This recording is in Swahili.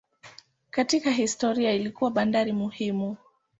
Katika historia ilikuwa bandari muhimu.